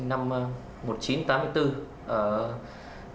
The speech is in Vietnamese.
hai hôm trước thùy có nói với trường